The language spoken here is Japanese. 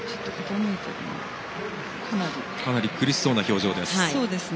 かなり苦しそうな表情です。